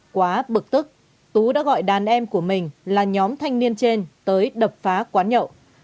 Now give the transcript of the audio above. quá bực tức tú đã gọi đàn em của mình là nhóm thanh niên trên tới đập phá quán nhậu